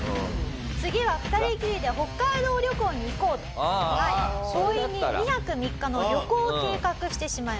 「次は２人きりで北海道旅行に行こう」と強引に２泊３日の旅行を計画してしまいます。